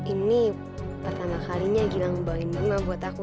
ini pertama kalinya gilang bawain bunga buat aku